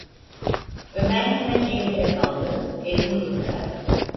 Ömer hemen eğilerek aldı, elini uzatarak: